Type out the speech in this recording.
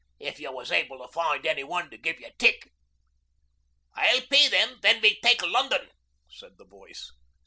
if you was able to find anyone to give you tick.' 'I'll pay them when we take London,' said the voice.